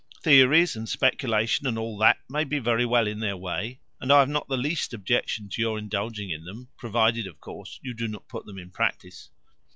Theories and speculation and all that may be very well in their way, and I have not the least objection to your indulging in them, provided, of course, you do not put them in practice.